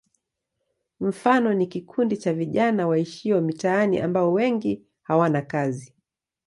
Mfano ni kikundi cha vijana waishio mitaani ambao wengi hawana kazi.